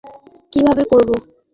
তোর জন্য আমি দ্বিতীয় বিয়ে কীভাবে করবো?